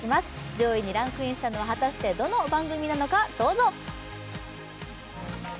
上位にランクインしたのは果たしてどの番組なのか。